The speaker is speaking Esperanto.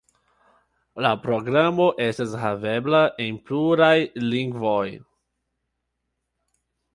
La programo estas havebla en pluraj lingvoj.